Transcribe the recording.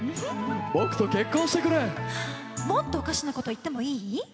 僕と結婚してくれもっとおかしなこと言ってもいい？